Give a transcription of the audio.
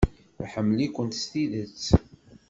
Iḥemmel-ikent s tidet.